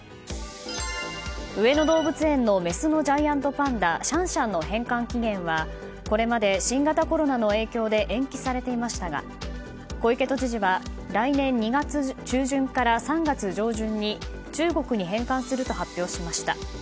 上野動物園のメスのジャイアントパンダシャンシャンの返還期限はこれまで新型コロナの影響で延期されていましたが小池都知事は来年２月中旬から３月上旬に中国に返還すると発表しました。